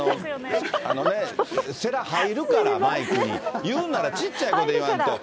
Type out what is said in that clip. せら、入るから、マイクに、言うなら小っちゃい声で言わんと。